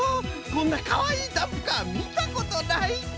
こんなかわいいダンプカーみたことない！